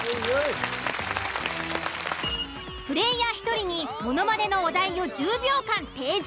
プレイヤー１人にものまねのお題を１０秒間提示。